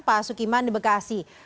pak sukiman di bekasi